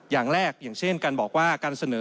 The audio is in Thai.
อย่างแรกอย่างเช่นการบอกว่าการเสนอ